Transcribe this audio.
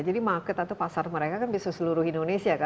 jadi market atau pasar mereka kan bisa seluruh indonesia